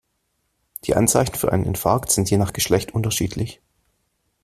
Die Anzeichen für einen Infarkt sind je nach Geschlecht unterschiedlich.